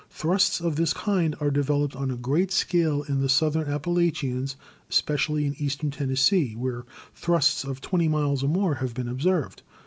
Thrusts of this kind are developed on a great scale in the southern Appalachians, especially in eastern Tennessee, where thrusts of 20 miles or more have been observed.